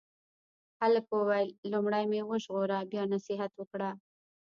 هلک وویل لومړی مې وژغوره بیا نصیحت وکړه.